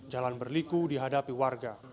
jalan berliku dihadapi warga